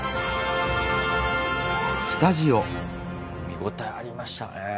見応えありましたねぇ。